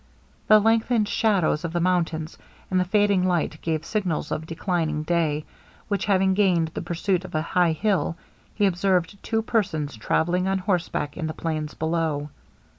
The lengthened shadows of the mountains, and the fading light gave signals of declining day; when having gained the summit of a high hill, he observed two persons travelling on horseback in the plains below.